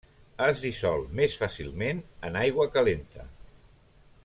Es dissol més fàcilment en aigua calenta.